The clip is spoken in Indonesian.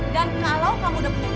dan kalau kamu udah punya uang